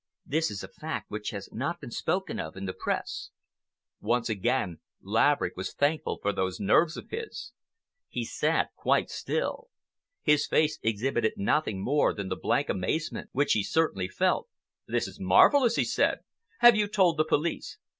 This is a fact which has not been spoken of in the Press." Once again Laverick was thankful for those nerves of his. He sat quite still. His face exhibited nothing more than the blank amazement which he certainly felt. "This is marvelous," he said. "Have you told the police?"